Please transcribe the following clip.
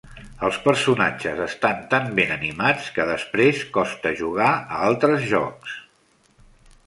Els personatges estan tan ben animats que després costa jugar a altres jocs.